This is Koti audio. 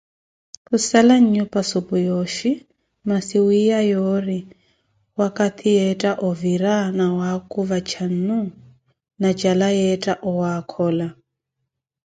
Khusalaza nnyupa supu yoozhi, masi wiiya yoori wakathi yeetta ovira na waakuva cannu, na cala yeetta owaakhola.